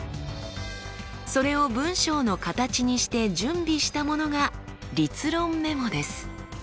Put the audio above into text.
それを文章の形にして準備したものが立論メモです。